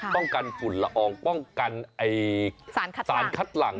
ป้องกันฝุ่นละอองป้องกันสารคัดหลัง